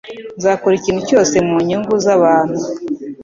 Nzakora ikintu cyose mu nyungu zabantu.